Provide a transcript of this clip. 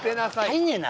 入んねえな。